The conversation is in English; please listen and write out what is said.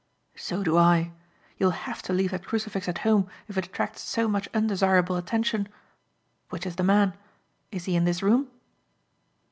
"So do I. You will have to leave that crucifix at home if it attracts so much undesirable attention. Which is the man? Is he in this room?"